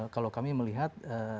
kalau kami melihat